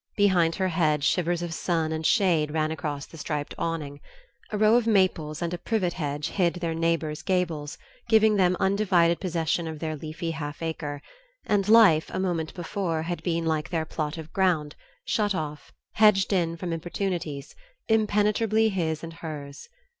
Behind her head shivers of sun and shade ran across the striped awning. A row of maples and a privet hedge hid their neighbor's gables, giving them undivided possession of their leafy half acre; and life, a moment before, had been like their plot of ground, shut off, hedged in from importunities, impenetrably his and hers.